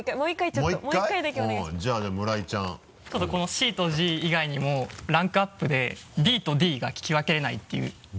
ちょっとこの「Ｃ」と「Ｇ」以外にもランクアップで「Ｂ」と「Ｄ」が聞き分けられないっていう。